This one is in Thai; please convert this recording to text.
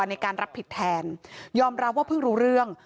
ในการรับผิดแทนยอมรับว่าเพิ่งรู้เรื่อง